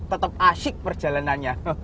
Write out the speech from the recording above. tetap asik perjalanannya